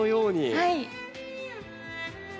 はい。